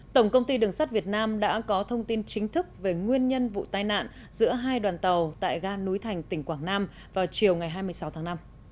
tổng công ty đường sắt việt nam đã có thông tin chính thức về nguyên nhân vụ tai nạn giữa hai đoàn tàu tại ga núi thành tỉnh quảng nam vào chiều ngày hai mươi sáu tháng năm